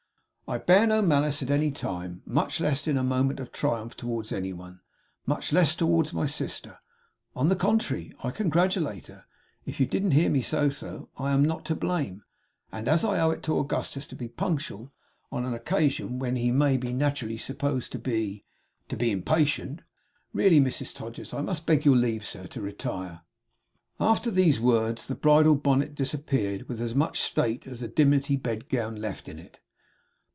I bear no malice at any time, much less in a moment of triumph, towards any one; much less towards my sister. On the contrary, I congratulate her. If you didn't hear me say so, I am not to blame. And as I owe it to Augustus, to be punctual on an occasion when he may naturally be supposed to be to be impatient really, Mrs Todgers! I must beg your leave, sir, to retire.' After these words the bridal bonnet disappeared; with as much state as the dimity bedgown left in it.